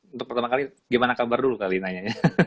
untuk pertama kali gimana kabar dulu kali nanya